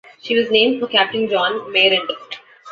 She was named for Captain John Mayrant.